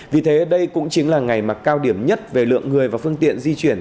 vì thế đây cũng chính là ngày mà cao điểm nhất về lượng người và phương tiện di chuyển